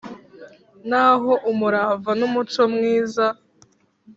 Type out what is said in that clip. n’aho umurava n’umuco myiza